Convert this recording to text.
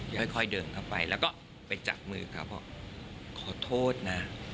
เบื่อสมบสติเดินเข้าไปและผ่านไปจับมือเขาก็ขอโทษนะ